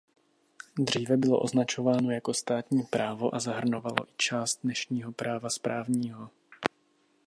Dříve bylo označováno jako státní právo a zahrnovalo i část dnešního práva správního.